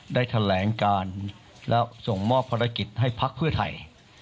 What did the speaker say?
ได้แถลงการและส่งมอบภารกิจให้พักเพื่อไทย